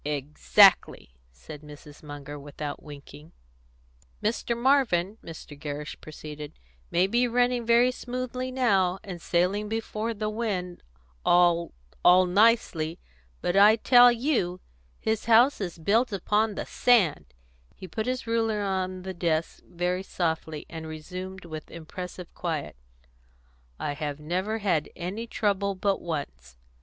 "Exactly," said Mrs. Munger, without winking. "Mr. Marvin," Mr. Gerrish proceeded, "may be running very smoothly now, and sailing before the wind all all nicely; but I tell you his house is built upon the sand," He put his ruler by on the desk very softly, and resumed with impressive quiet: "I never had any trouble but once.